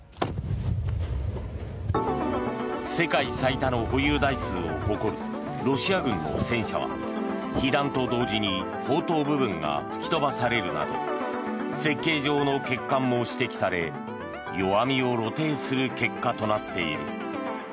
世界最多の保有台数を誇るロシア軍の戦車は被弾と同時に砲塔部分が吹き飛ばされるなど設計上の欠陥も指摘され弱みを露呈する結果となっている。